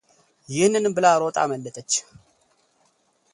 ይህንንም ብላ ሮጣ አመለጠች፡፡